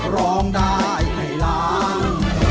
ร้องได้ให้ล้าน